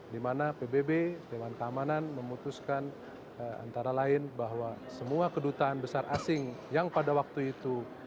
di mana pbb dewan keamanan memutuskan antara lain bahwa semua kedutaan besar asing yang pada waktu itu